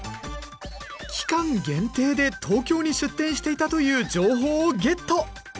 期間限定で東京に出店していたという情報をゲット！